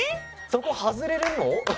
そこはずれるの？